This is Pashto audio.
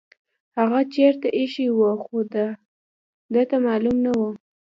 هغه چیرته ایښې وه خو ده ته معلومه نه وه.